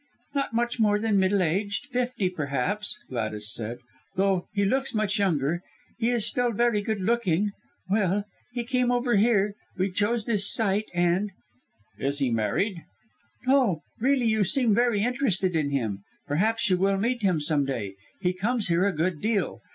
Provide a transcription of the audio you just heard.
"Not much more than middle aged fifty perhaps!" Gladys said, "though he looks much younger. He is still very good looking. Well! he came over here we chose this site, and " "Is he married?" "No! Really you seem very interested in him. Perhaps you will meet him some day: he comes here a good deal.